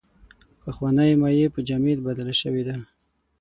پخوانۍ مایع په جامد بدله شوې ده.